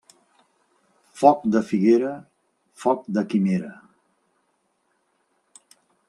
Foc de figuera, foc de quimera.